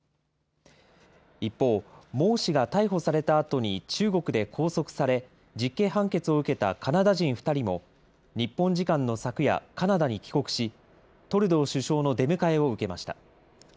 一方、孟氏が逮捕されたあとに中国で拘束され、実刑判決を受けたカナダ人２人も日本時間の昨夜、カナダに帰国し、トルドー首相の出迎えを受けました。